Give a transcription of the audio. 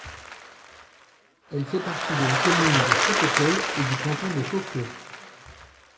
Elle fait partie de la commune de Fotokol et du canton de Kokio.